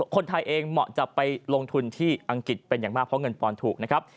คนไทยเองเหมาะจะไปลงทุนที่อังกฤษเป็นอย่างมากเพราะเงินปอนดถูกนะครับ